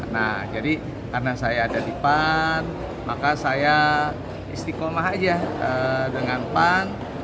nah jadi karena saya ada di pan maka saya istiqomah aja dengan pan